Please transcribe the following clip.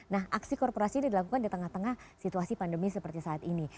nah aksi korporasi ini dilakukan di tengah tengah situasi pandemi seperti saat ini